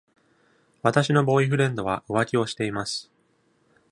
私のボーイフレンドは浮気をしています。